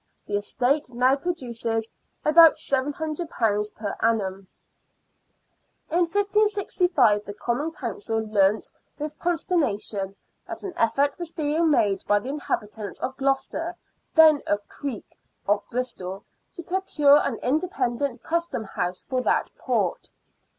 The estate now produces about £700 per annum. In 1565 the Common Council learnt with consternation that an effort was being made by the inhabitants of Gloucester, then a " creek " of Bristol, to procure an independent Custom House for that port.